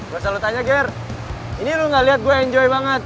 gue selalu tanya ger ini lu gak lihat gue enjoy banget